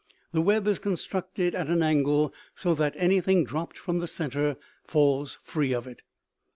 The web is constructed at an angle so that anything dropped from the center falls free of it.